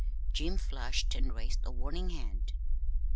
Jim flushed and raised a warning hand.